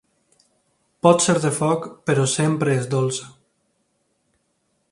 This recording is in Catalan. Pot ser de foc, però sempre és dolça.